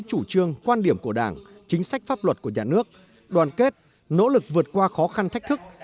chủ trương quan điểm của đảng chính sách pháp luật của nhà nước đoàn kết nỗ lực vượt qua khó khăn thách thức